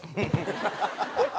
ハハハハ！